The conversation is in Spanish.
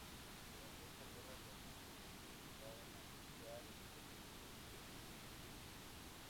Durante esta guerra los japoneses llegaron a anunciar en tres ocasiones su hundimiento.